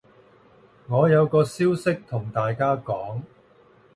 我有個消息同大家講